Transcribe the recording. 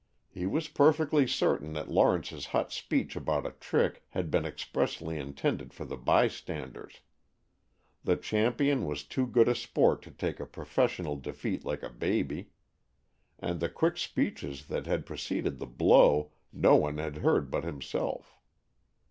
He was perfectly certain that Lawrence's hot speech about a trick had been expressly intended for the by standers. The champion was too good a sport to take a professional defeat like a baby. And the quick speeches that had preceded the blow no one had heard but himself.